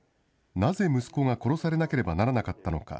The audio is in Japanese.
なぜ息子が殺されなければならなかったのか。